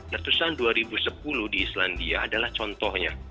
letusan dua ribu sepuluh di islandia adalah contohnya